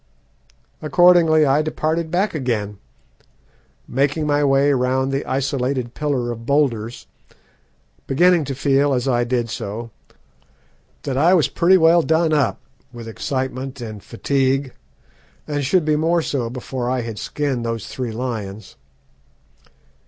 Accordingly I departed back again, making my way round the isolated pillar of boulders, beginning to feel, as I did so, that I was pretty well done up with excitement and fatigue, and should be more so before I had skinned those three lions.